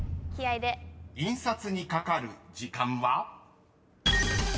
［印刷にかかる時間は？］